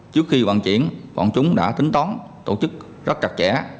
trước khi bằng chuyển bọn chúng đã tính tón tổ chức rất chặt chẽ